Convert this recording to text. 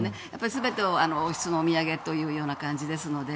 全ては王室のお土産という感じなので。